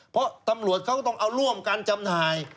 เพราะตำรวจเขาก็ต้องเอาร่วมกันจำหน่าย